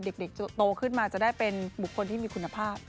เด็กโตขึ้นมาจะได้เป็นบุคคลที่มีคุณภาพ